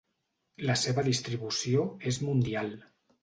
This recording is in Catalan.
La seva distribució és mundial.